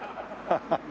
ハハハハ。